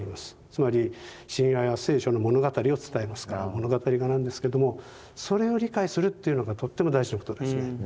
つまり神話や聖書の物語を伝えますから物語画なんですけれどもそれを理解するっていうのがとっても大事なことですね。